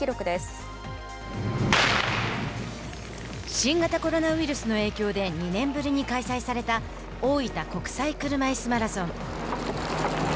新型コロナウイルスの影響で２年ぶりに開催された大分国際車いすマラソン。